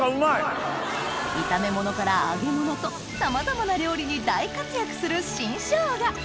炒め物から揚げ物とさまざまな料理に大活躍する新ショウガ